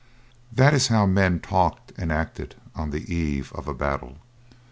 That is how the men talked and acted on the eve of a battle.